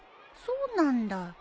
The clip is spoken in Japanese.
そうなんだ。